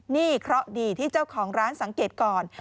นี่เคราะห์ดีที่เจ้าของร้านสังเกตก่อน